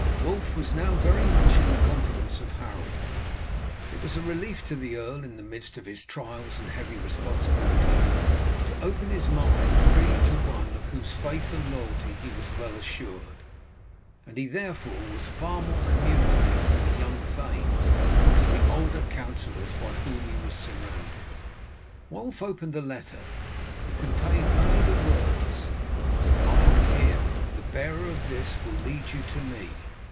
Wulf was now very much in the confidence of Harold. It was a relief to the earl in the midst of his trials and heavy responsibilities to open his mind freely to one of whose faith and loyalty he was well assured, and he therefore was far more communicative to the young thane than to the older councillors by whom he was surrounded. Wulf opened the letter. It contained only the words: "I am here; the bearer of this will lead you to me.